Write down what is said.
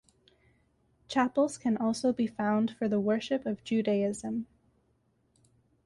Chapels can also be found for the worship of Judaism.